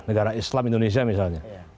negara islam indonesia misalnya